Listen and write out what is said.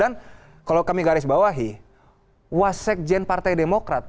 dan kalau kami garis bawahi wasek jan partai demokrat